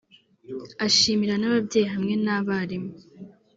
ashimira n’ababyeyi hamwe n’abarimu